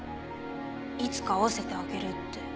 いつか会わせてあげるって。